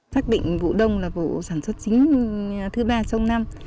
xác định vụ đông là vụ sản xuất chính thứ ba trong năm